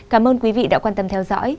cảm ơn quý vị đã quan tâm theo dõi